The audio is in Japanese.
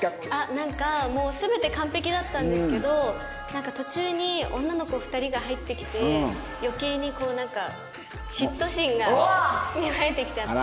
なんかもう全て完璧だったんですけどなんか途中に女の子２人が入ってきて余計にこうなんか嫉妬心が芽生えてきちゃって。